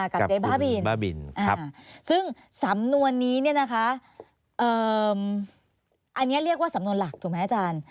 เจ๊บ้าบินบ้าบินซึ่งสำนวนนี้เนี่ยนะคะอันนี้เรียกว่าสำนวนหลักถูกไหมอาจารย์